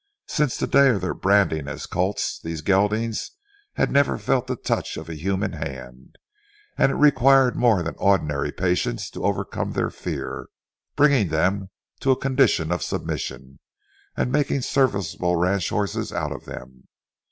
Since the day of their branding as colts these geldings had never felt the touch of a human hand; and it required more than ordinary patience to overcome their fear, bring them to a condition of submission, and make serviceable ranch horses out of them.